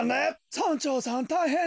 村長さんたいへんなんだ。